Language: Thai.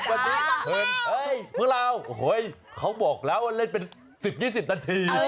ตายก่อนแล้วเฮ้ยเมื่อเราเขาบอกแล้วว่าเล่นเป็น๑๐๒๐นาที